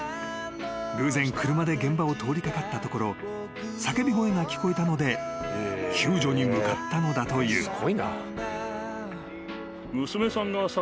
［偶然車で現場を通り掛かったところ叫び声が聞こえたので救助に向かったのだという］